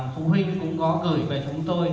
phụ huynh cũng có gửi về chúng tôi